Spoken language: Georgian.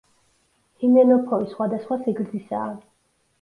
ჰიმენოფორი სხვადასხვა სიგრძისაა.